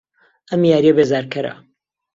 ئەم یارییە بێزارکەرە.